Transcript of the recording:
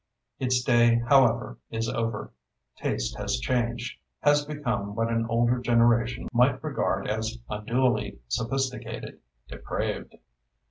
Its day, however, is over. Taste has changed—has become what an older generation might regard as unduly sophisticated, depraved.